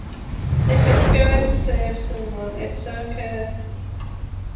If it's going to save someone, it's okay.